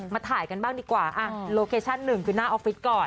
ถ่ายกันบ้างดีกว่าโลเคชั่นหนึ่งคือหน้าออฟฟิศก่อน